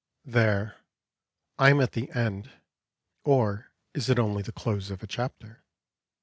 There, I am at the end; or is it only the close of a chapter?